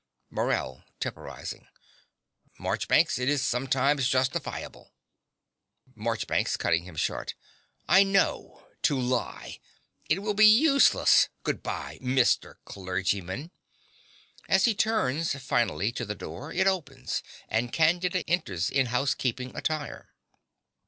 MORELL (temporizing). Marchbanks: it is sometimes justifiable. MARCHBANKS (cutting him short). I know to lie. It will be useless. Good bye, Mr. Clergyman. (As he turns finally to the door, it opens and Candida enters in housekeeping attire.)